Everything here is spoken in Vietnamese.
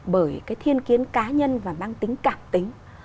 bởi cái thiên kiến cá nhân và mang tính cảm tính